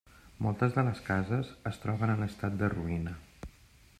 Moltes de les cases es troben en estat de ruïna.